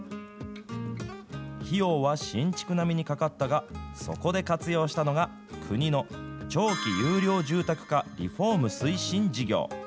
費用は新築並みにかかったが、そこで活用したのが、国の長期優良住宅化リフォーム推進事業。